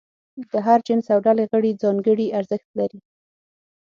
د هر جنس او ډلې غړي ځانګړي ارزښت لري.